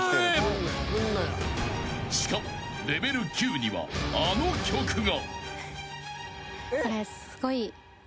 ［しかもレベル９にはあの曲が］